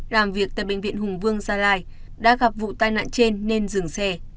làm việc tại bệnh viện hùng vương gia lai đã gặp vụ tai nạn trên nên dừng xe